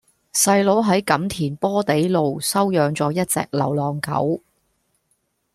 細佬喺錦田波地路收養左一隻流浪狗